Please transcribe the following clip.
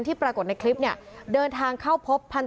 มีกล้วยติดอยู่ใต้ท้องเดี๋ยวพี่ขอบคุณ